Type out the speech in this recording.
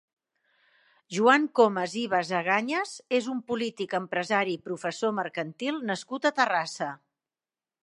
Joan Comas i Basagañas és un polític, empresari i professor mercantil nascut a Terrassa.